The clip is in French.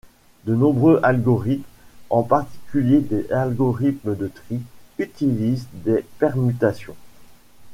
De nombreux algorithmes, en particulier des algorithmes de tri, utilisent des permutations.